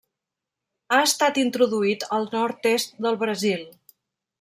Ha estat introduït al nord-est del Brasil.